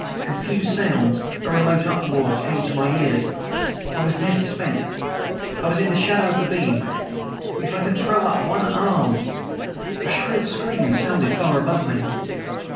Confused sounds a remote uproar came to my ears. I was nearly spent ... I was in the shadow of the beam! If I could throw up one arm. .. A shrill scream sounded far above me!